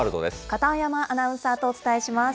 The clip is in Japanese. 片山アナウンサーとお伝えします。